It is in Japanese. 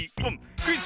クイズ